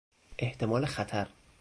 احتمال خطر